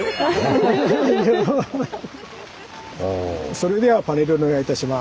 それではパネルお願いいたします。